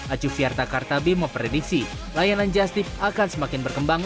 acu fiarta kartabi memprediksi layanan justip akan semakin berkembang